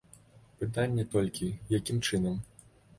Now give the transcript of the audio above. Пытанне толькі, якім чынам.